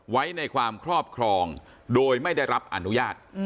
ไว้ในความครอบครองโดยไม่ได้รับอนุญาต